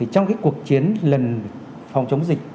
trong cái cuộc chiến lần phòng chống dịch